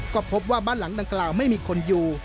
ก็พบว่าบ้านหลังดังกล่าวไม่มีคนอยู่